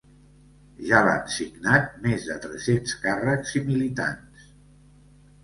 Ja l’han signat més de tres-cents càrrecs i militants.